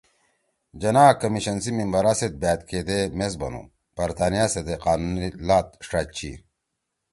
جناح کمیشن سی ممبرا سیت بأت کیدے میس بنُو ”برطانیہ سیت اے قانونی لات ݜأد چی